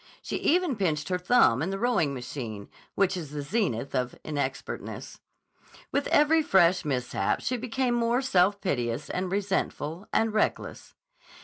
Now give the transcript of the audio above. She even pinched her thumb in the rowing machine, which is the zenith of inexpertness. With every fresh mishap she became more self piteous and resentful and reckless.